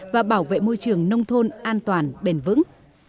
và bảo vệ môi trường nông thôn an toàn bền vững